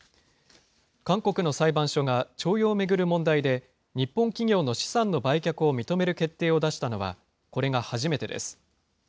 韓国の裁判所が徴用を巡る問題で、日本企業の資産の売却を認める決定を出したのは、これが初めてです。